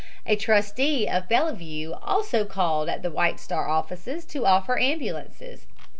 A trustee of Bellevue also called at the White Star offices to offer ambulances.